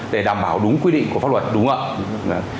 để đảm bảo đúng quy định của pháp luật đúng không ạ